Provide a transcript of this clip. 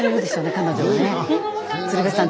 彼女はね。